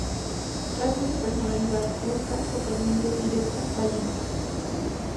Rasgos de Personalidad: brusca, sorprendente, directa, valiente.